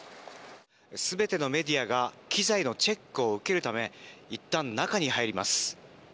全てのメディアが機材のチェックを受けるためいったん中に入ります。